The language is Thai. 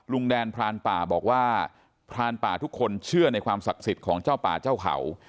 แดนพรานป่าบอกว่าพรานป่าทุกคนเชื่อในความศักดิ์สิทธิ์ของเจ้าป่าเจ้าเขา